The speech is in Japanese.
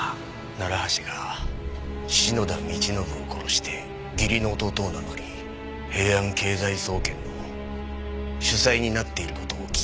楢橋が篠田道信を殺して義理の弟を名乗り平安経済総研の主宰になっている事を聞き出した。